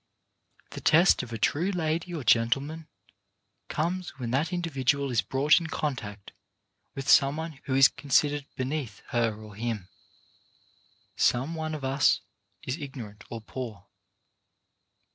The test of a true lady or gentleman comes when that individual is brought in contact with some one who is considered beneath her or him, some one who is ignorant or poor.